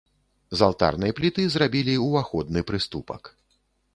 З алтарнай пліты зрабілі ўваходны прыступак.